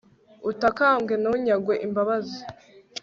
utakambye ntunyagwe imbabazi